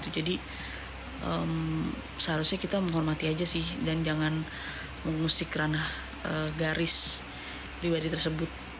seharusnya kita menghormati aja sih dan jangan mengusik ranah garis pribadi tersebut